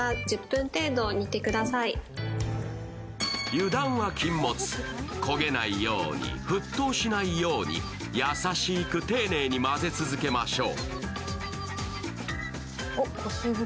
油断は禁物、焦げないように、沸騰しないように優しく丁寧に混ぜ続けましょう。